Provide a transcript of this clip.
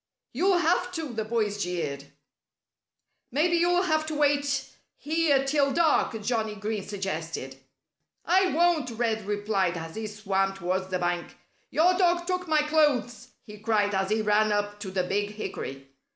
"You'll have to," the boys jeered. "Maybe you'll have to wait here till dark," Johnnie Green suggested. "I won't!" Red replied, as he swam towards the bank. "Your dog took my clothes," he cried as he ran up to the big hickory.